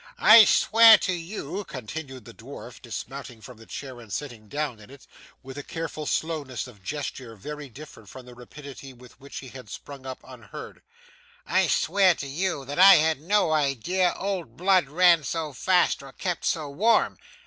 I swear to you,' continued the dwarf dismounting from the chair and sitting down in it, with a careful slowness of gesture very different from the rapidity with which he had sprung up unheard, 'I swear to you that I had no idea old blood ran so fast or kept so warm.